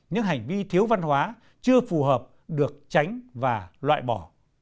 những hành vi thiếu văn hóa chưa phù hợp được tránh và loại bỏ